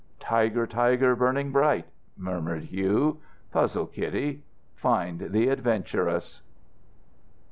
"Tiger, tiger, burning bright," murmured Hugh. "Puzzle, Kitty: find the Adventuress."